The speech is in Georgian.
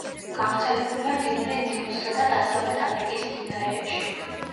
გავრცელებულია მდინარე ნილოსსა და დასავლეთ აფრიკის მდინარეებში.